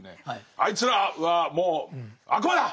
「あいつらはもう悪魔だ！」。